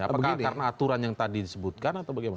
apakah karena aturan yang tadi disebutkan atau bagaimana